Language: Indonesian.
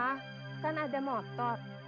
ah kan ada motor